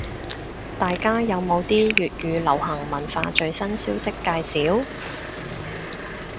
大家有冇啲粵語流行文化最新消息介紹？